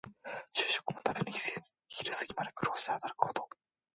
昼食も食べずに昼過ぎまで苦労して働くこと。